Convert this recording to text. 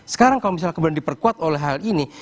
sekarang kalau misalnya kemudian diperkuat oleh hal ini